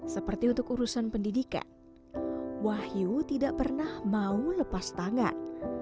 seperti untuk urusan pendidikan wahyu tidak pernah mau lepas tangan